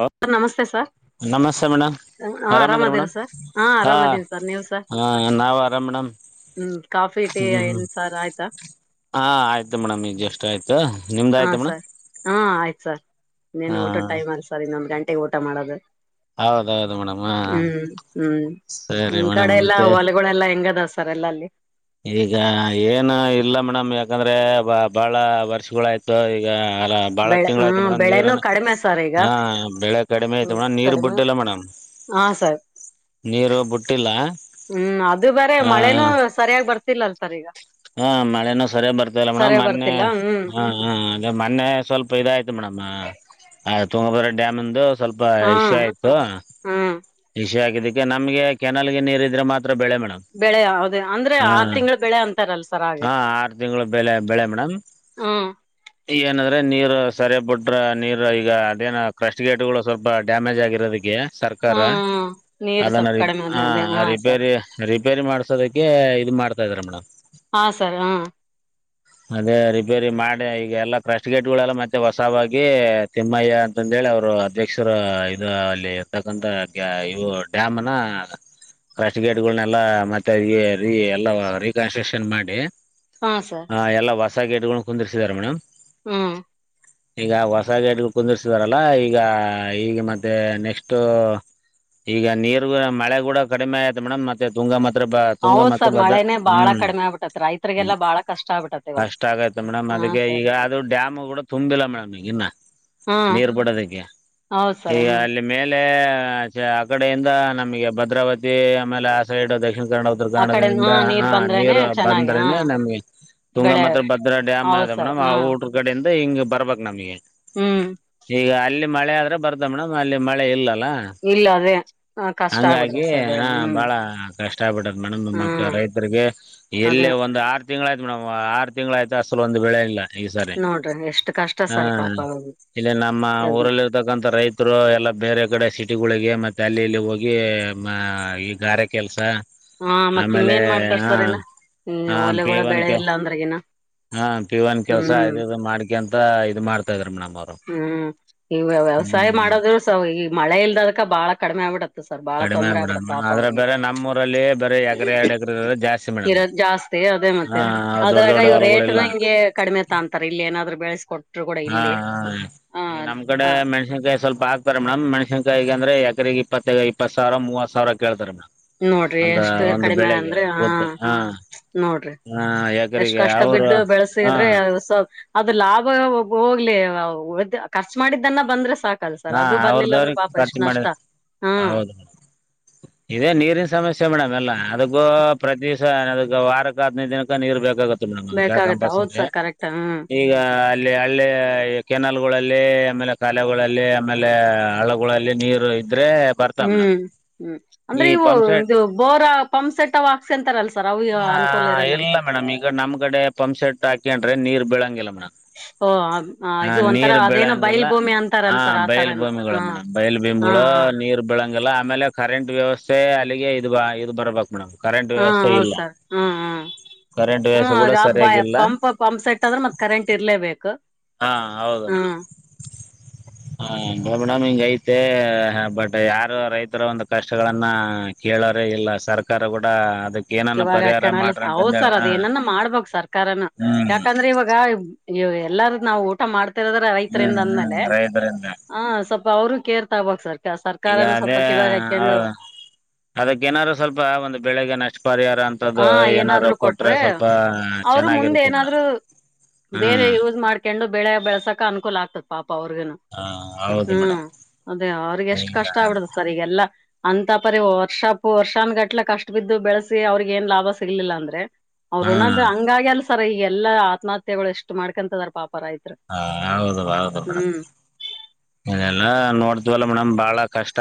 ಹ ನಮಸ್ತೆ ಸರ್ ನಮಸ್ತೆ ಮೇಡಮ್ ಹಾ ಆರಾಮ್ ಇದ್ರ ಆರಾಮದಿರ ಮೇಡಮ್ ಸರ್ ಹಾ ಆರಾಮದೀನ್ ಸರ್ ನೀವ್ ಸರ್ ಹ ನಾವು ಆರಾಮ್ ಮೇಡಮ್ ಹ್ಮ್ ಕಾಫಿ ಟೀ ಹ್ಮ್ ಹ್ಮ್ ಏನ್ ಸಾರ್ ಆಯ್ತಾ ಹಾ ಆಯ್ತು ಮೇಡಮ್ ಈಗ ಜಷ್ಟು ಆಯ್ತು ನಿಮ್ದ್ ಹಾ ಆಯ್ತಾ ಮೇಡಮ್ ಸರ್ ಹಾ ಆಯ್ತ್ ಸರ್ ಹಾ ಇನ್ನೇನ್ ಊಟ ಟೈಮ್ ಆಯ್ತ್ ಸರ್ ಇನ್ನೊಂದು ಗಂಟೆಗೆ ಊಟ ಮಾಡೋದು ಹೌದೌದು ಮೇಡಮ್ ಹ ಹ್ಮ್ ಹ್ಮ್ ಸರಿ ನಿಮ್ ಮೇಡಮ್ ಕಡೆ ಎಲ್ಲಾ ಮತ್ತೆ ಹೊಲೆಗಳೆಲ್ಲಾ ಹೆಂಗದವ ಸರ್ ಎಲ್ಲಾ ಅಲ್ಲಿ ಈಗ ಏನು ಇಲ್ಲ ಮೇಡಂ ಯಾಕಂದ್ರೆ ಬಾ ಬಾಳ ವರ್ಷಗಳ ಆಯ್ತು ಈಗ ಅ ಬಾಳ ಬೆಳೆ ತಿಂಗಳ ಹ್ಮ ಆಯ್ತು ಮೇಡಮ್ ಬೆಳೆನೂ ನೀರನ್ ಕಡಿಮೆ ಸರ್ ಈಗ ಹ ಬೆಳೆ ಕಡಿಮೆ ಆಯ್ತು ಹ್ಮ್ ಮೇಡಮ್ ನೀರ್ ಕಡಿಮೆ ಬಿಟ್ಟಿಲ್ಲ ಮೇಡಮ್ ಹಾ ಸರ್ ನೀರು ಬಿಟ್ಟಿಲ್ಲ ಹ್ಮ್ ಅದು ಬೇರೆ ಮಳೆನೂ ಹ ಸರಿಯಾಗಿ ಬರ್ತ ತಿಲ್ಲಲ್ ಸರ್ ಈಗ ಹಾ ಮಳೆನೂ ಸರಿಯಾಗ್ ಬರ್ತಿಲ್ಲ ಮೇಡಮ್ ಸರಿಯಾಗ್ ಮೊನ್ನೆ ಬರ್ತಿಲ್ಲ ಹ್ಮ್ ಹ ಹ ಅದೇ ಮೊನ್ನೆ ಸ್ವಲ್ಪ ಇದಾಯ್ತು ಮೇಡಮ್ ಆ ತುಂಗಬರ ಡ್ಯಾಮಿಂದು ಸ್ವಲ್ಪ ಹಾ ಇಷೂ ಆಯ್ತು ಹ್ಮ್ ಇಷೂ ಆಗಿದಕ್ಕೆ ನಮ್ಗೆ ಕೆನಾಲ್ಗೆ ನೀರ್ ಇದ್ರೆ ಮಾತ್ರ ಬೆಳೆ ಮೇಡಮ್ ಬೆಳೆ ಹೌದೆ ಅಂದ್ರೆ ಆರು ತಿಂಗಳ ಬೆಳೆ ಅಂತಾರಲ್ಲ ಆ ಆರು ತಿಂಗಳು ಬೆಲೆ ಬೆಳೆ ಮೇಡಮ್ ಹ್ಮ್ ಏಗಂದ್ರೆ ನೀರು ಸರಿಯ ಬುಟ್ರೆ ನೀರು ಈಗ ಅದೇನೊ ಕ್ರಸ್ಟ್ ಗೇಟ್ಗಳು ಸ್ವಲ್ಪ ಡ್ಯಾಮೇಜ್ ಆಗಿರೋದಕ್ಕೆ ಹಾ ಸರ್ಕಾರ ನೀರು ಅದನ್ನ ಸ್ವಲ್ಪ ರಿಪ್ ಕಡಿಮೆ ಅದ ಹ ಅದೇ ಹಾ ಸರ್ ರಿಪೇರಿ ರಿಪ್ ಪೇರಿ ಮಾಡ್ಸೋದಕ್ಕೆ ಇದು ಮಾಡ್ತಾ ಇದ್ದಾರೆ ಮೇಡಮ್ ಹ ಸರ್ ಹ ಅದೇ ರಿಪೇರಿ ಮಾಡಿ ಈಗ ಎಲ್ಲಾ ಕ್ರಸ್ಟ್ ಗೇಟ್ ಗಳೆಲ್ಲ ಮತ್ತೆ ಹೊಸವಾಗಿ ತಿಮ್ಮಯ್ಯ ಅಂತಂದ್ ಹೇಳಿ ಅವ್ರು ಅಧ್ಯಕ್ಷರು ಇದು ಅಲ್ಲಿ ಇರ್ತಕ್ಕಂತ ಇವು ಡ್ಯಾಮ್ನ ಕಸ್ಟ್ ಗೇಟ್ಗಳನೆಲ್ಲಾ ಮತ್ತೆ ಅದಿಗೆ ರೀ ಎಲ್ಲಾ ರೀ ಕನ್ಸ್ಟ್ರಕ್ಷನ್ ಮಾಡ್ ಡಿ ಹಾ ಸರ್ ಎಲ್ಲಾ ಹೊಸ ಗೇಟ್ ಗಳನ್ನು ಕುಂದಿರ್ಸಿದ್ದಾರೆ ಮೇಡಮ್ ಹ್ಮ ಈಗ ಹೊಸ ಗೇಟ್ ಕುಂದಿರ್ಸಿದಾರಲ್ಲ ಈಗ ಈಗ ಮತ್ತೆ ನೆಕ್ಸ್ಟ್ ಈಗ ನೀರು ಕೂಡ ಮಳೆ ಕೂಡ ಕಡಿಮೆ ಆಯಿತು ಮೇಡಮ್ ಮತ್ತೆ ತುಂಗ ಮತ್ತ್ ಪ್ರಭ ಹ ತುಂಗ ಹೌದ್ ಮತ್ತು ಸರ್ ಭದ್ರ ಮಳೆನೇ ಬಾಳ ಹ್ಮ್ ಕಡಿಮೆ ಆಗ್ಬಿಟ್ಟತ್ ರೈತರಿಗೆಲ್ಲ ಹ್ಮ್ ಬಾಳ ಕಷ್ಟ ಆಗ್ಬಿಟ್ಟತ್ ಇವಾಗ ಕಷ್ಟ ಆಗುತ್ತೆ ಮೇಡಮ್ ಹಾ ಅದಕ್ಕೆ ಸರ್ ಈಗ ಅದು ಡ್ಯಾಮ್ ಕೂಡ ತುಂಬಿಲ್ಲ ಮೇಡಮ್ ಈ ನ್ನ ಹಾ ನೀರ್ ಬಿಡೋದಕ್ಕೆ ಹೌದ್ ಸರ್ ಈಗ ಹ್ಮ್ ಅಲ್ಲಿ ಮೇಲ್ ಲೆ ಆ ಕಡೆಯಿಂದ ನಮಗೆ ಭದ್ರಾವತಿ ಆಮೇಲೆ ಆ ಸೈಡ್ ದಕ್ಷಿಣ ಕನ್ನಡ ಉತ್ತರ ಆ ಕಡೆ ಕನ್ನಡದಿಂದ ಹ ನೀರ್ ಬಂದ್ರೇನೆ ನೀರು ಚೆನ್ನಾಗಿ ಹ ಅಂದ್ರನೆ ನಮ್ಗೆ ತುಂಗ ಬೆಳೆ ಮತ್ತೆ ಭದ್ರಾ ಡ್ಯಾಮ್ ಹೌದ್ ಅದೆ ಸರ್ ಮೇಡಮ್ ಆ ಹಾ ಊಟ್ರ ಕಡೆಯಿಂದ ಹಿಂಗ್ ಬರ್ಬೇಕು ನಮಗೆ ಹ್ಮ್ ಈಗ ಅಲ್ಲಿ ಮಳೆ ಆದ್ರೆ ಬರತ್ತೆ ಮೇಡಮ್ ಅಲ್ಲಿ ಮಳೆ ಇಲ್ಲ. ಇಲ್ಲ ಅದೇ ಹ ಕಷ್ಟ ಹಂಗಾಗಿ ಆಗ್ಬಿಡ್ತಾವ ಸರ್ ಹ ಬೆಳೆ ಹ್ಮ್ ಬಾಳ ಕಷ್ಟ ಆಗಬಿಟೈತ್ತೆ ಮೇಡಮ್ ನಮ್ಮನಂತ ಹ್ಮ್ ರೈತರಿಗೆ. ಅದೇ ಎಲ್ಲೇ ಒಂದು ಆರು ತಿಂಗಳಾಯ್ತು ಮೇಡಮ್ ಆರು ತಿಂಗಳುಗಳು ಆಯ್ತು ಅಸಲ್ ಒಂದು ಬೆಳೆ ಇಲ್ಲ. ಈ ಸರಿ ನೋಡ್ರಿ ಎಷ್ಟು ಕಷ್ಟ ಸರ್ ಹಾ ಪಾಪ ಅವ್ರಿ ಇಲ್ಲಿ ನಮ್ಮ ಊರಲ್ಲಿ ಇರ್ತಕ್ಕಂಥ ರೈತರು ಎಲ್ಲಾ ಬೇರೆ ಕಡೆ ಸಿಟಿಗಳಿಗೆ ಮತ್ತ್ ಅಲ್ಲಿ ಇಲ್ಲಿ ಹೋಗಿ ಮ ಈ ಗಾರೆ ಕೆಲಸ ಹಾ ಮತ್ತೆ ಇನ್ನೇನ್ ಮಾಡ್ತಾರ್ ಸರ್ ಇನ್ನ ಹೊಲೆಗಳ ಬೆಳೆ ಇಲ್ಲಾ ಅಂದ್ರೆ ಏನ್ ಹಾ ಪಿವನ್ ಕೆಲ್ಸ ಇದು ಮಾಡ್ಕೆ ಅಂತ ಇದ್ ಮಾಡ್ತಾ ಇದ್ರ ಮಡಮ್ ಹ್ಮ್ ಈ ವ್ಯವಸಾಯ ಮಾಡದ್ರು ಸ ಈ ಮಳೆ ಇಲ್ದದಕ ಬಾಳ ಕಡಿಮೆ ಆಗ್ಬಿಡತ್ತ ಸರ್ ಬಾಳ ಕಡಿಮೆ ತೊಂದ್ರೆ ಆಗ್ಬಿಡತ್ತ ಆಗ್ಬಿಡೋದು ಪಾಪ ಆದದ್ರೆ ಅವ್ರಿಗೆ ಬೇರೆ ನಮ್ಮು ರಲ್ಲಿ ಬರ ಎಕರೆ ಎರಡ್ ಎಕರೆ ಜಾಸ್ತಿ ಮೇಡಮ್ ಇರೋದ ಜಾಸ್ತಿ ಅದೇ ಮತ್ತೆ ಹಾ ದೊಡ್ಡ ಅದ್ರಾಗ ದೊಡ್ಡ ಇವ್ ರೇಟ್ನ ಹೊಲಗಳಿಲ್ಲ ಹಿಂಗೆ ಕಡಿಮೆ ತ ಅಂತಾರೆ ಇಲ್ಲಿ ಏನ ಬೆಳಸಕೊಂಡು ಹಾ ಈಗ ನಮ್ ಕಡೆ ಆ ಮೆಣ್ಸಿನ್ಕಾಯಿ ಸ್ವಲ್ಪ ಹಾಕ್ ಮೇಡ್ ಮಣಷನ್ಕಾಯಗ ಅ್ರ ಎಕಗ ಇಪ್ಪತ್ತ ಇಪ್ಪ ಸಾವಿರ ಮೂವತ್ ಸಾವಿರ ಕೇತಾರೆೇ ಮೇಡಮ್ ನೋಡ್ರಿ ಒಂದ ಎಷ್ಟು ಒಂದು ಕಡಿಮೆ ಬೆಳೆಗೆ ಅಂದ್ರೆ ಹಾ ಗೊತ್ತು ಹಾ ನೋಡ್ರಿ ಹಾ ಎಷ್ಟ್ ಎಕರೆಗೆ ಕಷ್ಟ ಅವರು ಬಿದ್ದು ಹಾ ಬೆಳಸಿದ್ರೆ ಸ್ವಲ್ ಅದು ಲಾಭ ಹೋಗ್ಲಿ ಖರ್ಚು ಮಾಡಿದ್ದನ್ನ ಬಂದ್ರೆ ಸಾಕ ಹಾ ಅವ್ರ್ದವ್ರಿಗೆ ಖರ್ಚು ಮಾಡ ಹಾ ಹೌದೌದು ಇದೇ ನೀರಿನ ಸಮಸ್ಯೆ ಮೇಡಮ್ ಎಲ್ಲ ಅದಕ್ಕೂ ಪ್ರತಿ ದಿವ್ ಅದ ವಾರಕ್ಕೆ ಹದಿನೈದು ದಿನಕ ನೀರು ಬೇಕಾಗುತ್ ಡಮ್ ಅ ಬೇಕಾಗತ್ತ ಹೌದ್ ಕಂಪಲ್ಸರಿ ಸರ್ ಕರೆಕ್ಟ್ ಹ್ಮ್ ಈಗ ಅಲ್ಲಿ ಹಳ್ಳಿ ಕೆನಾಲ್ಗಳಲ್ಲಿ ಆಮೇಲೆ ಕಾಲಗಳಲ್ಲಿ ಆಮೇಲೆ ಹಳಗಳಲ್ಲಿ ನೀರು ಇದ್ರೆ ಬರ್ತಾವ ಮೇಡಮ್ ಹ್ಮ್ ಹ್ಮ್ ಅಂದ್ರೆ ಈ ಇವು ಪಂಪ್ ಸೆಟ್ ಇದು ಬೋರ ಪಂಪ್ಸೆಟ್ಹಾಕ್ಸ ಅಂತಾರಲ್ಸ ಹ ಇಲ್ಲ ಮೇಡಮ್ ಈಗ ನಮ್ ಕಡೆ ಪಂಪ್ಸೆಟ್ ಹಾಕೊಂಡ್ರೆ ನೀರ್ ಬೀಳಂಗಿಲ್ಲ ಮೇಡಮ್ ಓ ಹ ಇದು ಒಂಥರ ನೀರ್ ಅದೇನೋ ಬೈಲ್ ಬೆಳಂಗಗೆಲ್ಲ ಭೂಮಿ ಹ ಅಂತಾರಲ್ ಸರ್ ಬಯಲು ಆತರನ ಹಾ ಭೂಮಿಗಳು ಮೇಡಮ್ ಬಯಲು ಹಾ ಭೂಮಿಗಳು ಹಾ ನೀರ್ ಬೆಳಗ್ಂಗ ಗಲ್ಲ ಆಮೇಲೆ ಕರೆಂಟ್ ವ್ಯವಸ್ಥೆ ಅಲ್ಲಿಗೆ ಇದು ಇದು ಬರ್ಬೇಕು ಮೇಡಮ್ ಕರೆಂಟ್ ಹಾ ವ್ಯವಸ್ಥೆ ಹೌದ್ ಇಲ್ಲ ಸರ್ ಹ್ಮ್ ಕರೆಂಟ್ ವ್ಯವಸ್ಥೆ ಕೂಡ ಹ್ಮ ಹ್ಮ್ ಸರಿಯಾಗಿಲ್ಲ ಪಂಪ್ ಪಂಪ್ ಸೆಟ್ ಅಂದ್ರೆ ಮತ್ ಕರೆಂಟ್ ಇರ್ಲೇಬೇಕು ಹಾ ಹೌದು ಮೇಡ್ ಹ್ಮ್ ಹ ಮೇಡಮ್ ಹಿಂಗ ಐ ಮತ್ತೆ ಬಟ್ ಯಾರು ರೈತರ ಒಂದು ಕಷ್ಟಗಳನ್ನ ಕೇಳೋರೇ ಇಲ್ಲ ಸರ್ಕಾರ ಕೂಡ ಅದಕ್ಕೆ ಇವಾಗ ಕಣಲ್ಲ ಹೌ ಸರ್ ಅದೇಏನನ್ನ ಮಾಡ್ಬು ಸರ್ಕಾರನು ಹ್ಮ್ ಯಾಕಂದ್ರೆ ಇವಾಗ ಇ ಎಲ್ಲಾರ ನಾವು ಊಟ ಮಾಡ್ತಿರದ್ರ ರೈತರಿಂದ ಹ್ಮ್ ಹ್ಮ್ ಅಂದ್ಮೇಲೆ ರೈತರಿಂದ ಹ ಸ್ವಲ್ ಅವರು ಕೇರ್ ತೊಗಬೇಕು ಸರ್ ಈಗ ಸರ್ಕಾರನು ಅದೇ ಸ್ವಲ್ಪ ಕಿವಾಗ ಹಾಕೊಂಡು ಹೌದ ಅದಕ್ಕ ಏನಾದ್ರು ಸ್ವಲ್ಪ ಒಂದು ಬೆಳಿಗ್ಗೆ ನಷ್ಟ ಪರಿಹರ್ ಹ ಅಂತದ್ದು ಏನಾರ್ರು ಏನಾದ್ರು ಕೊಟ್ರೆ ಸ್ವಲ್ಪ ಅವ್ರು ಮುಂದೆ ಚೆನ್ನಾಗಿರುತ್ತೆ ಮೇಡಮ್ ಏನಾದ್ರು ಬೇರೆ ಹ್ಮ್ ಯೂಸ್ ಮಾಡ್ಕೊಂಡು ಬೆಳೆ ಬೆಳಸಕ ಅನುಕೂಲ ಆಗ್ತತಿ ಪ್ಪ ಅವ್ರಗನು ಹಾ ಹೌದು ಹ್ಮ್ ಮೇಡಮ್ ಅದೇ ಅವ್ರಿಗೆ ಎಷ್ಟು ಈಗ ಕಷ್ಟ ಆಗ್ಬಿಡುದ ಸರ್ ಈಗೆಲ್ಲ ಅಂತ ಪರಿ ವರ್ಶಾಪ್ ವರ್ಷನ್ಗಟ್ಲೆ ಕಷ್ಟ ಬಿದ್ದು ಬೆಳೆಸಿ ಅವ್ರಿಗ್ ಏನ್ ಲಾಭ ಸಿಗ್ಲಿಲ್ಲ ಅಂದ್ರೆ ಅವ್ರು ಹಾ ಉಣಂದ್ ಹಂಗಾಗಿ ಅಲ್ಲ ಸರ ಈ ಎಲ್ಲಾ ಆತ್ಮಹತ್ಯೆಗಳು ಎಷ್ಟು ಮಾಡ್ಕೊತದಾರ ಪಾಪ ರೈತರು ಹಾ ಹೌದು ಹೌದು ಮೇಡಮ್ ಹ್ಮ್ ಇದೆಲ್ಲ ನೋಡತವಲ್ಲ ಮೇಡಮ್ ಬಾಳ ಕಷ್ಟ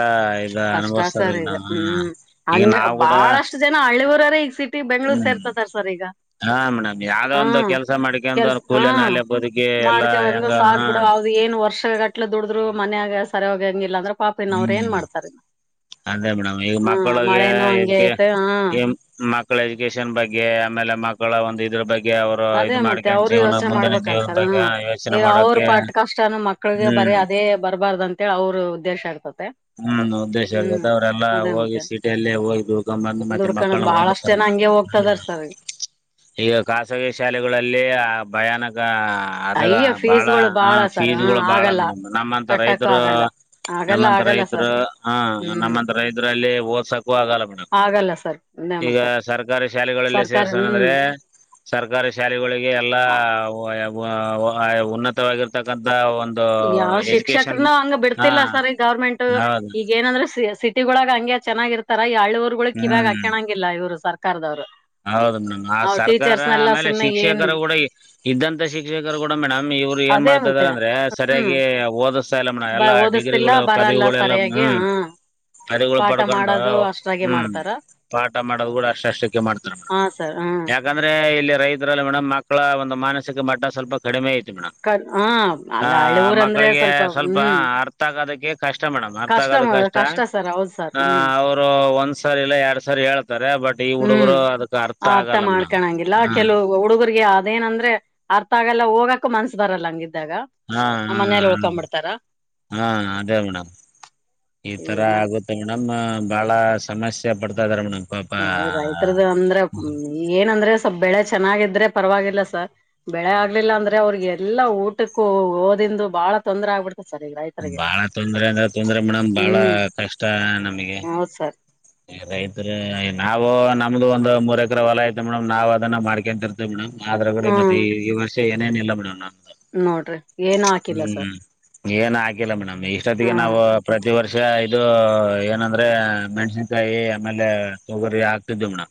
ಇದ ಕಷ್ಟ ಅನುಭವಸ್ತದ ಸರ್ ಈಗ ಮೇಡಮ್ ಹ್ಮ್ ಈಗ ಹಂಗ ನಾವ್ ಕೂಡ ಬಹಳಷ್ಟು ಜನ ಹಳ್ಳಿರರ ಈಗ ಸಿಟಿ ಬೆಂಗ್ಲೂರ್ ಹ್ಮ್ ಸೇರ್ತದಾರ ಸರ್ ಈಗ ಹಾ ಮೇಡಮ್ ಯಾವ್ದ ಒಂದು ಹ್ಮ್ ಕೆಲ್ಸ ಮಾಡ್ಕ ಅಂದ ಕೂಲೆ ನಾಲೆ ಬದುಕಿ ಎಲ್ಲಾ ಮಾಡ್ಕ ಹಂಗ ಹೆಂಗ ಸಾಕ್ ಹಾ ಬಿಡು ಅವ್ದ್ ಏನ್ ವರ್ಷ ಅಟ್ಲೆ ದುಡಿದ್ರು ಮನ್ಯಾಗ ಸರಿಯ ಹೋಗ ಹಂಗಿಲ್ಲ ಅಂದ್ರ ಪಪಿನ ಅವ್ರ ಏನ್ ಹ್ಮ್ ಮಾಡತಾರೆ ಅದೇ ಮೇಡಮ್ ಈಗ ಮಕ್ಕಳಿಗೆ ಮಳೆನೂ ಹಂಗೆ ಐತೆ ಹ್ಮ್ ಇದ ಮಕ್ಕಳ ಎಜುಕೇಷನ್ ಬಗ್ಗೆ ಆಮೇಲೆ ಮಕ್ಕಳ ಒಂದು ಇದ್ರ ಬಗ್ಗೆ ಅವರು ಅದೇ ಇದು ಮತ್ತೆ ಮಾಡ್ಕೊಂಡ ಅವರು ಜೀವನ ಯೋಚನೆ ಮುಂದಿನ ಜೀವನ ಮಾಡ್ಬೇಕಲ್ಸರ್ ಹ್ಮ ಬಗ್ಗೆ ಈ ಯೋಚನೆ ಅವರು ಮಾಡೋಕೆ ಪಟ್ಟ ಕಷ್ಟನ ಮಕ್ಳಿಗೆ ಬ ಹ್ಮ್ ಅದೇ ಬರ್ಬಾರ್ದು ಅಂತೇಳಿ ಅವರು ಉದ್ದೇಶ ಆಗ್ತದೆ ಹ್ಮ್ ಉದ್ದೇಶ ಇರ್ತತೆ ಅವ್ರೆಲ್ಲ ಅದೇ ಹೋಗಿ ಮತ್ತೆ ಸಿಟಿಯಲ್ಲಿ ಹೋಗಿ ಬಿಡ್ಕೊ ಬಂದು ಮತ್ತೆ ದುಡ್ಕಣದ್ ಮಕ್ಕಳನ್ನಓದ ಬಾಳಷ್ಟ್ ಸರ್ ಜನ ಹಂಗೆ ಹೋಗ್ತದಾರ ಸರ್ ಈಗ ಖಾಸಗಿ ಶಾಲೆಗಳಲ್ಲಿ ಭಯಾನಕ ಅದಾಗ ಅಯ್ಯ ಬಾಳ ಫೀಸ್ ಗಳು ಹ ಬಾಳ ಹ್ಮ್ ಫೀಸ್ಗಳು ಬಾಳ ಆಗಲ್ಲ ಮೇಡಮ್ ನಮ್ಮಂತ ಕಟ್ಟಕ್ಕೂ ರೈತರು ಆಗಲ್ಲ ಆಗಲ್ಲ ನಮ್ಮಂತ ಆಗಲ್ಲ ಹ ಹ್ಮ್ ನಮ್ಮಂತ ರೈದ್ರಲ್ಲಿ ಓದಸಕೂ ಆಗಲ್ಲ ಮೇಡಮ್ ಆಗಲ್ಲ ಅದೇ ಈಗ ಮತ್ತೆ ಸರ್ಕಾರಿ ಶಾಲೆಗಳಲ್ಲಿ ಸರ್ಕಾರಿ ಹ್ಮ್ ಸೇರ್ಸೋಣಂದ್ರೆ ಸರ್ಕಾರಿ ಶಾಲೆಗಳಿಗೆ ಎಲ್ಲಾ ಉನ್ನತವಾಗಿರ್ತಕ್ಕಂತಥ ಯಾವ ಶಿಕ್ಷಕರನ ಹಂಗ ಹಾ ಬಿಡ್ತಿಲ್ಲ ಸರಿ ಗೌರ್ಮೆಂಟ್ ಹೌದು ಈಗ ಏನಂದ್ರೆ ಸಿಟಿಗಳೊಳಾಗ ಹಂಗೆ ಚೆನ್ನಾಗಿ ಇರ್ತಾರ ಹಳ್ಳಿವರ್ಗಳಕ್ ಇವಾಗ ಹ್ಮ್ ಹಾಕಣಂಗಿಲ್ಲ ಇವರು ಸರ್ಕಾರದವ್ರು ಹೌದು ಮೇಡಮ್ ಆ ಅವ್ ಸರ್ಕಾರ ಟೀಚರ್ಸ್ ನೆಲ್ಲಾ ಆಮೇಲೆ ಸುಮ್ನೆ ಏನ್ ಶಿಕ್ಷಕರು ಕೂಡ ಇದ್ದಂತ ಶಿಕ್ಷಕರು ಕೂಡ ಮೇಡಮ್ ಇವರು ರು ಏನ್ ಅದೇ ಮಾಡ್ತಾ ಇದಾರ ಮತ್ತೆ ಅಂದ್ರೆ ಹ್ಮ್ ಸರಿಯಾಗಿ ಓದಿಸತಾ ಇಲ್ಲಮ್ಮನ ಬ ಎಲ್ಲಾ ಓದಿಸ್ತಿಲ್ಲ ಡಿಗ್ರಿಗಳು ಬರಲ್ಲ ಪದವಿಗಳುಲ್ಲ ಸರಿಯಾಗಿ ಹ ಹ್ಮ್ ಪರಿಗಳು ಪಾಠ ಪಡ್ಕೊಂಡು ಮಾಡೋದು ಅಷ್ಟ್ರಾಗೆ ಹ್ಮ್ ಮಾಡ್ತಾರ ಪಾಠ ಮಾಡೋದು ಕೂಡ ಅಷ್ಟಷ್ಟು ಸಿತ ಮಾಡ್ತಾರೆ ಮೇಡ ಹಾ ಸರ್ ಹ್ಮ್ ಯಾಕಂದ್ರೆ ಇಲ್ಲಿ ರೈತರಲ್ಲಿ ಮೇಡಮ್ ಮಕ್ಕಳ ಒಂದು ಮಾನಸಿಕ ಮಟ್ಟ ಸ್ವಲ್ಪ ಕಡಿಮೆ ಐತ್ತು ಕ ಹ ಆ ಅಲ್ಲ ಹಳ್ಳಿ ಊರ್ ಅಂದ್ರೆ ಮಕ್ಕಳಿಗೆ ಸ್ವಲ್ಪ ಹ್ಮ್ ಅರ್ಥ ಆಗದಕ್ಕೆ ಕಷ್ಟ ಮೇಡಮ್ ಅರ್ಥ ಆಗೋದು ಕಷ್ಟ ಸರ್ ಹೌದ್ ಸರ್ ಹ ಹ್ಮ್ ಅವ್ರು ಒಂದ್ ಸಾರಿ ಇಲ್ಲ ಎರಡ್ ಸಾರಿ ಹೇಳ್ತಾರೆ ಬಟ್ ಈ ಹ್ಮ್ ಹುಡುಗರು ಅದಕ್ ಅರ್ಥ ಆಗಲ್ಲ ಮೇಡಮ್ ಮಾಡ್ಕಂಗಿಲ್ಲ ಹಾ ಕೆಲವು ಹುಡುಗರಿಗೆ ಅದೇನಂದ್ರೆ ಅರ್ಥ ಆಗಲ್ಲ ಹೋಗಕ್ಕು ಮನ್ಸ ಬರಲ್ಲ ಹಂಗಿದ ಹಾ ಹಾ ಹೌದು ಹಾ ಅದೇ ಮೇಡಮ್ ಈ ತರ ಏನ ಆಗುತ್ತೆ ಮೇಡಮ್ ಬಹಳ ಸಮಸ್ಯೆ ಪಡ್ತಾ ಇದಾರೆ ಮೇಡಮ್ ಪಾಪ ಹ ರೈತ್ರರದ ಅಂದ್ರ ಏನಂದ್ರೆ ಬೆಳೆ ಚೆನ್ನಾಗಿದ್ರೆ ಪರವಾಗಿಲ್ಲ ಸರ್ ಬೆಳೆ ಆಗ್ಲಿಲ್ಲ ಅಂದ್ರೆ ಅವ್ರಿಗೆ ಎಲ್ಲಾ ಊಟಕ್ಕೂ ಓದಿ ತಿಂದು ಬಹಳ ತೊಂದೆ ಆಗ್ಬಿಟ್ಟೆ ಬಾಳ ತೊಂದ್ರೆ ಅಂದ್ರ ತೊಂದ್ರೆ ಮೇಡಮ್ ಬಾಳ ಹ್ಮ್ ಕಷ್ಟ ನಮಗೆ ಹೌದ್ ಸರ್ ರೈತರು ನಾವವು ನಮ್ದು ಒಂದ್ ಮೂರ್ ಎಕ್ರ ಹೊಲ ಐತೆ ಮೇಡಮ್ ನಾವ್ ಅದನ್ನ ಮಾಡ್ಕೊಂತ ಇರ್ತೇವಿ ಮೇಡಮ್ ಆದ್ರ ಕಡೆ ಮತ್ತೆ ಹ್ಮ್ ಈ ವರ್ಷ ಏನೇನ ಇಲ್ಲ ಮೇಡಮ್ನ ನೋಡ್ರಿ ಏನು ಹಾಕಿಲ್ಲ ಸರ್ ಏನ್ ಹಾಕಿಲ್ಲ ಮೇಡಮ್ ಇಷ್ಟೊತ್ತಿಗೆ ಹ್ಮ್ ನಾವು ಪ್ರತಿ ವರ್ಷ ಇದು ಏನಂದ್ರೆ ಮೆಣಸನ್ ಕಾಯಿ ಆಮೇಲೆ ತೊಗರಿ ಹಾಕ್ತಿದ್ದಮಣ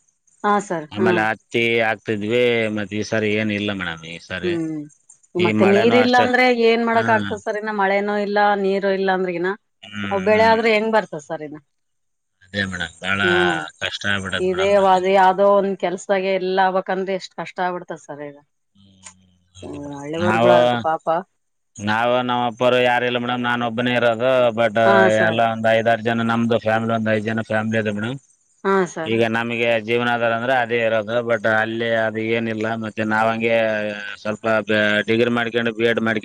ಹಾ ಸರ್ ಆಮೇಲೆ ಹ್ಮ್ ಹತ್ತಿ ಆಕ್ ಮದ್ವೆ ಮತ್ತ ಈ ಸಾರಿ ಏನ್ ಇಲ್ಲ ಮೇಡಮ್ ಈ ಸರಿ ಹ್ಮ್ ಈ ಮತ್ತೆ ಮಳೆನೂ ನೀರ್ ಇಲ್ಲ ಅಷ್ಟೇ ಅಂದ್ರೆ ಏನ್ ಹಾ ಮಾಡಕ್ ಆಗ್ತದೆ ಸರಿನ್ನ ಮಳೆನೋ ಇಲ್ಲ ನೀರು ಇಲ್ಲಾ ಅಂದ್ರೆಗಿನ ಹ್ಮ್ ಬೆಳೆ ಹ್ಮ್ ಆದ್ರೆ ಹೆಂಗ್ ಬರ್ತದ ಸರ್ ಇನ್ನ ಅದೇ ಮೇಡಮ್ ಬಾಳ ಹ್ಮ್ ಕಷ್ಟ ಆಗ್ಬಿಟ್ಟದ ಇದೇ ಮೇಡಮ್ ಮತ್ತೆ ಅದ ಯಾವ್ದೋ ಒಂದ ಕೆಲ್ಸಾಗ ಎಲ್ಲ ಆಗ್ಬಕ್ಂದ್ರೆ ಎಷ್ಟ್ ಕಷ್ಟ ಆಗ್ಬಿಡ್ತದ ಸರ್ ಈಗ ಹಳ್ಳಿವರ್ಗಳ ನವು ಅದು ಪಾಪ ನಾವು ನಮ್ಮಪ್ಪರು ಯಾರ ಇಲ್ಲ ಮೇಡಮ್ ನಾನ ಒಬ್ಬನೇ ಇರೋದು ಬಟ್ ಹಾ ಸರ್ ಎಲ್ಲ ಒಂದ್ ಐದ ಜನ ನಮ್ದು ಫ್ಯಾಮಿಲಿ ಒಂದ್ ಐದ್ ಜನ ಫ್ಯಾಮಿಲಿ ಅ ಮೇಡಮ್ ಹಾ ಸರ್ ಈಗ ನಮಗೆ ಜೀವನಧಾರ ಅಂದ್ರೆ ಅದೇ ಇರೋದು ಬಟ್ ಅಲ್ಲಿ ಅದು ಏನಿಲ್ಲ ಮತ್ತೆ ನಾವ ಹಂಗೆ ಸ್ವಲ್ಪ ಡಿಗ್ರಿ ಮಾಡ್ಕೊಂಡು ಬಿ ಎಡ್ ಮಾಡ್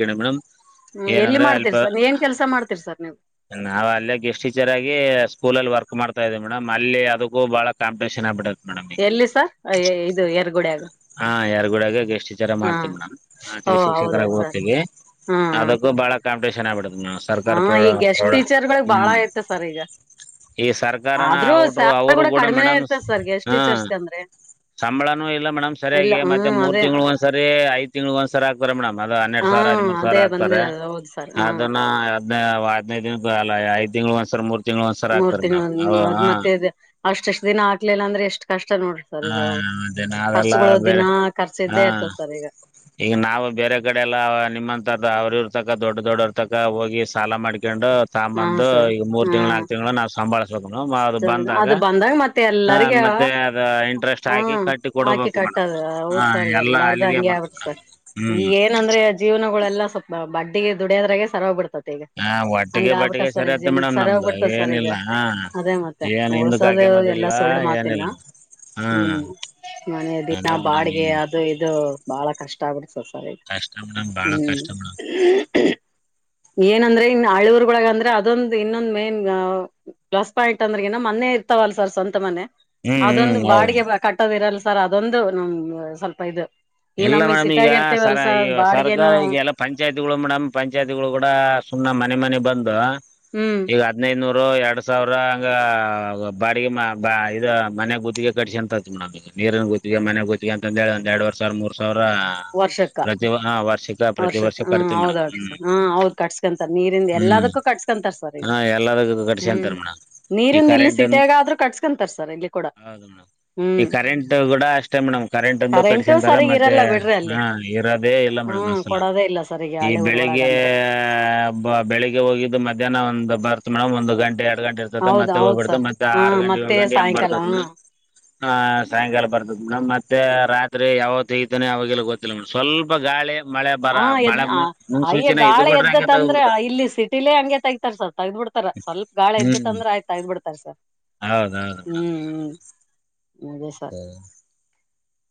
ಹ್ಮ್ ಎಲ್ಲಿ ಏನಂದ್ರೆ ಅಲ್ಪ ಮಾಡ್ತೀರಿ ಸರ್ ಏನ್ ಕೆಲ್ಸ ಮಾಡ್ತೀರಿ ಸರ್ ನೀವು ನಾವ ಅಲ್ಲೇ ಗೆಸ್ಟ್ ಟೀಚರ್ ಆಗಿ ಅ ಸ್ಕೂಲ್ಲ್ಲಿರ್ಕ್ ಮಾಡ್ತಾದೆ ಮೇಡಮ ಅದಕ್ಕೂ ಬಹಳ ಕಾಪಿಟೇಷನ್ ಆಗ್ಬಿಡೆ ಎಲ್ಲಿ ಸ ಇದು ಎರ್ಗುಡಗ ಹಾ ಯಾರ್ಗೂಡಾಗ ಎಷ್ಟು ಜರ ಮಾಡ್ತಿವಿ ಮೇಡಮ್ ಓ ಹೌದಾ ಸರ್ ಶಿಕ್ಷಕರಾಗಓರ್ತವಿ ಹ್ಮ್ ಹ್ಮ್ ಅದಕ್ಕೂ ಬಾಳ ಕಾಂಪಿಟೇಷನ್ ಆಗ್ಬಿಡು ಹ್ಮ ಹ ಸರ್ಕಾರ ಪ್ರೌಢ ಈ ಗೆಸ್ಟ್ ಪ್ರೌಢ ಟೀಚರ್ಗಳಗ್ ಬಾಳ ಹ್ಮ್ ಐತೆ ಸರ್ ಈಗ ಈ ಸರ್ಕಾರನ ಆದ್ರೂ ಅವಟ್ರು ಸ್ಯಾಲರಿ ಅವರು ಕೂಡ ಕಡಿಮೆನೇ ಮೇಡಮ್ ಇರ್ತದೆ ಸರ್ ಗೆಸ್ಟ್ ಹಾ ಟೀಚರ್ಸ್ ಅಂದ್ರೆ ಸಂಬಳನು ಇಲ್ಲ ಮೇಡ್ ಇಲ್ಲ ಸರಿಯಾಗಿ ಮತ್ತೆ ಹ್ಮ್ ಮೂರು ಅದೇ ತಿಂಗಗಳುಳ ಒಂದ್ ಸರಿ ಐ ತಿಂಗಳುಳ ಒಂದ್ಸರಿ ಆಗ್ತಾರೆ ಮೇಡಮ್ ಅದ ಹನ್ನೆರಡು ಹಾ ಸಾವಿರ ಹದಿಮೂರ್ ಸಾವಿರ ಅದೇ ಆಗ್ತಾರೆ ಬಂದಿರೋದು ಹೌದು ಸರ್ ಹ್ಮ್ ಅದನ್ನ ಹದ್ ಹದಿನೈ ದಿನ ಅ ಐ ತಿಂಗಳು ಒಂದ್ಸರ್ ಮೂರ್ ತಿಂಗ್ಳ ಒಂದ್ಸರಿ ಮೂರ್ ಹಾಕ್ತಾರೆ ತಿಂಗಳ ಮೇಡಮ್ ಅದ್ ಅವ ಮತ್ತೆ ಅಷ್ಟಷ್ಟ್ ದಿನ ಆಗ್ಲಿಲ್ಲ ಅಂದ್ರೆ ಎಷ್ಟು ಕಷ್ಟ ಇಷ್ಟ ನೋಡ್ರಿ ಸರ್ ಹಾ ಈಗ ಮತ್ತೆ ನಾವೆಲ್ಲಾ ಖರ್ಚಗಳು ದಿನ ಬೇರೆ ಖರ್ಚು ಹಾ ಇದ್ದೇ ಇರ್ತದೆ ಸರ್ ಈಗ ಈಗ ನಾವು ಬೇರೆ ಕಡೆ ಎಲ್ಲ ನಿಮ್ಮಂತ ಅವ್ರ ಇರ್ ತಕ ದೊಡ್ಡ ದೊಡ್ಡವರ್ ತಕ ಹೋಗಿ ಸಾಲ ಮಾಡ್ಕ ಹಕೊಂಡು ಹಾ ತಂದು ಸರ್ ಈಗ ಮೂರ್ ತಿಂಳ ಹ್ಮ್ ನಾಕಕ್ ತಿಂಗಳು ನಾವ್ ಸಂಭಾಳ್ಸ್ಬೇಕಕ್ ಅ ಬಂದಾಗ ಅದು ಮತ್ತೆ ಹಾ ಎಲ್ಲರಿಗ ಮತ್ತೆ ಅ ಇಂಟ್ರೆಸ್ಟ್ ಹ ಹಾಕಿ ಕಟ್ಟಿ ಹಾಕಿ ಕೊಡಬೇಕು ಮೇಡಮ್ ಕಟ್ಟದ ಹೌದ್ ಹ ಸರ್ ಎಲ್ಲಾ ಎಲ್ಲಾರ್ದು ಅಲ್ಲಿಗೆ ಹಂಗೆ ಬರ್ತ ಆಗ್ಬಿಟ್ಟ ಸರ್ ಮೇಡಮ್ ಹ್ಮ್ ಈಗ ಏನಂದ್ರೆ ಜೀವನಗಳೆಲ್ಲ ಸ್ವಲ್ ಬಡ್ಡ ದುಡಿಯದ್ರಾಗೆ ಸರವಾಗ ಬಿಡ್ತದೆ ಹಾ ಒಡ್. ಹಂಗ ಆಗ್ಬಿಟ್ಟ ಸರ್ ಈಗ ಜೀವ್ ಸರಿ ಹೋಗ್ಬಿಡ್ತ ಸರ್ ಈಗ ಏನಿಲ್ಲ ಹಾ ಅದೇ ಮತ್ತೆ ಏನ್ ಹಿಂದಕ್ ಉಳ್ಸೋದ ಎಲ್ಲಾ ಹಾಕೆಂಬದಿಲ್ಲ ಸುಳ್ಳ್ ಮಾ ತಿನ ಏನಿಲ್ಲ ಮೇಡಮ್ ಹಾ ಹ್ಮ್ ಮನ ದಿನ ಅದೇ ಮೇಡಮ್ ಈ ಬಾಡ್ಗೆ ಅದು ಇದು. ಬಾಳ ಕಷ್ಟ ಆಗ್ಬಡ್ತ ಸರಿ ಕಷ್ಟ ಮೇಡಮ್ ಬಾಳ ಹ್ಮ್. ಕಷ್ಟ ಮೇಡಮ್ ಏನಂದ್ರೆ ಇನ್ ಹಳವರ್ಳಗ ಅಂದ್ರೆ ಅದೊಂದ ಇನ್ನೊಂದ್ ಮೇನ್. ಪ್ಲಸ್ ಪಾಯಿಂಟ್ ಅಂದ್ರೆಗನ ಮನೆ ಇರ್ತವಲ್ಲ ಸರ್ ಸ್ವಂತ ಮನೆ. ಹ್ಮ್ ಅದೊಂದು ಹ್ಮ್ ಹೌದು ಬಾಡಿಗೆ ಕಟ್ಟೋದ್ ಇರಲ್ಲ ಸರ್ ಅದೊಂದು ನಮ್ ಸ್ವಲ್ಪ ಇದು. ಈ ಎಲ್ಲ ನಮಗ್ ಮೇಡಮ್ ಸಿಟಿಯಾಗ ಈಗ ಇರ್ತೇವಲ್ ಸರ ಈ ಸರ್ ಸರ್ಕಾರ ಬಾಡಿಗೆನು ಈಗ ಎಲ್ಲ ಪಂಚಾಯತ್ಗಳು ಮೇಡಮ್ ಪಂಚಾಯತ್. ಕೂಡ ಸುಮ್ಮನೆ ಮನೆ ಮನೆ ಬಂದು ಹ್ಮ್ ಈಗ ಹದ್ನೈದು ನೂರ. ಎರಡ್ ಸಾವಿರ ಹಂಗ ಬಾಡಿಗೆ ಇ ಮನೆ ಗುತ್ತಿಗೆ ಕಟ್ಸ ಅಂತತಿ ಮೇಡಮ್ ಈಗ. ನೀರನ್ನು ಗುತ್ತಿಗೆ ಮನೆ ಗುತ್ತಿಗೆ ಅಂತಂದ ಹೇಳ ಒಂದೆರಡು ವರ್ಷ. ಅವರ ವರ್ಷಕ್ಕ ವರ್ಷಕ್ಕ ವರ್ಷ ಹ ಕಟ್ತೀವಿ ಮೇಡಮ್ ಹೌದ್ರಿ ಹ್ಮ್ ಸರ್ ಹ ಹೌದ್ ಕಟ್ಸ್ಕೊಂತ ನೀರಿಂದ ಎಲ್ಲದ. ಹ್ಮ್ ಕಟ್ಸ್ಕೊಂತರ್ ಸರ್ ಈಗ ಹಾ ಎಲ್ಲದಕ್ಕೂ ಹ್ಮ್. ಕಟ್ಸಂತಾರ ಮೇಡಮ್ ಈ ನೀರಿಂದ ಇಲ್ಲಿ ಕರೆಂಟ್ ಸೀಟೆಾಗಾದ್ರೂ ಕಟ್ಸ್ಕೊಂತರ್ ಸರ್ ಇಲ್ಲಿ ಕೂಡ. ಹೌದು ಮೇಡಮ್ ಈ ಹ್ಮ್ ಕರೆಂಟ್ ಕೂಡ ಅಷ್ಟೇ ಮೇಡಮ್ ಕರೆಂಟ್ ಒಂದು ಕರೆಂಟು ಕಟ್ಸನ್ಂತರ ಸರಿಗ್ ಮತ್ತೆ. ಇರಲ್ಲ ಬಿಡ್ರಿ ಅಲ್ಲಿ ಹಾ ಇರದೇ ಇಲ್ಲ ಮೇಡಮ್ ಹ್ಮ್ ಅಸಾಲ. ಕೊಡೋದೇ ಇಲ್ಲ ಸರ್ ಈಗ ಈ ಹಳ್ಳಿ ಊರ್ಗೊಳಗ ಬೆಳಿಗ್ಗೆ ಅಂದ್ರೆ ಬೆಳಿಗ್ಗೆ ಹೋಗಿದ್ದು ಮಧ್ಯಾಹ್ನ ಒಂದು್ ಬರ್ತ ಮೇಡ್ ಒಂದು ಗಂಟೆ ಎರಡ್ ಗಂಟೆ ಇರ್ತ ಹೌದ್ ಮತ್ತ ಹೌದ್ ಹೋಗ್ಬಿತ ಸರ್ ಮತ್ತೆ ಆ ಹಾ ಗಂಟೆ ಏಳ ಮತ್ತೆ ಗಂಟ ಎ ಬರ್ತ ಸಾಯಂಕಾಲ ಹ್ಮ್ ಮೇಡಂ. ಆ ಸಾಯಂಕಾಲ ಬರ್ತದಡಮ್ ಮತ್ತೆ ರಾತ್ರಿ. ಯಾವತ್ ಹೇಗತಾನೆ ಅವಾಗೆಲ್ಲ ಗೊತ್ತಿಲ್ಲ್ ಸ್ವಲ್ಪ ಗಾಳಿ. ಮಳೆ ಹ ಬರ ಎದ ಮಳೆ ಅಯ್ಯೆ ಮುನ್ಸೂಚನೆ ಇದು ಗಾಳಿ ಬಿಟ್ರೆ ಹಂಗೆ ತೆಗ್ದ್ ಎದ್ದತ್ಂದ್ರ ಬಿಡ್ತಾನೆ ಇಲ್ಲಿ ಸಿಟಿಲೇ ಹಂಗೆ ತಗತಾರ ಸರ್ ತಗ್ಬ ಬಿಡ್ತ. ರ ಸ್ವಲ್ಪ ಗಾಳ ಹ್ಮ್ ಎದ್ದತ್ಂದ್ರೆ ಆಯ್ತಾ ಇದ್ದ್ ಬಿಡ್ತಾರ ಸರ್ ಹೌದೌದು ಮೇಡಮ್ ಹ್ಮ್ ಹ್ಮ್. ಅದೆ ಸರ್.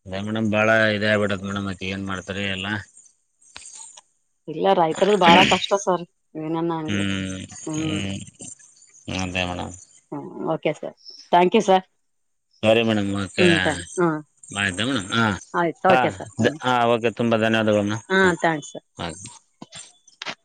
ಅದ ಮೇಡಮ್ ಬಾಳ ಇದೇ ಆಗ್ಬಿಡತ್ ಮೇಡಮ್ ಅತ್ತ ಏನ್ ಮಾಡ್ತರಿ ಎಲ್ಲಾ. ಇಲ್ಲ ರೈತರದ ಬಾಳ ಕಷ್ಟ ಸರ್. ಇನ [unintelligible] ಹ್ಮ್ ಹ್ಮ. ಹ್ಮ್ ಅದೇ ಮೇಡಮ್ ಸ ಥಾಂಕ್ ಯು ಸರ್. ಸರಿ ಮೇಡಮ್ ಓಕೆ ಹ್ಮ್ ಥ್ಯಾಂಕ್ ಹ್ಮ್ ಬ್ತ ಮೇಡಮ್. ಹಾ ಆಯ್ತು ಹಾ ಓಕೆ ಸರ್ ಹ್ಮ್ ಹಾ ಓಕೆ ತುಂಬಾ ಹಾ ಥ್ಯಾಂಕ್ಸ್ ಧನ್ಯವಾದಗಳನ್ನ. [inaudible]